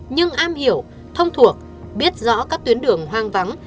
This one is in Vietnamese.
nhưng am hiểu thông thuộc biết rõ các tuyến đường hoang vắng